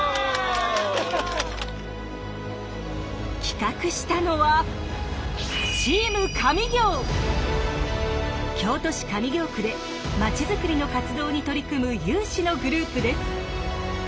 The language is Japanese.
企画したのは京都市上京区で町づくりの活動に取り組む有志のグループです。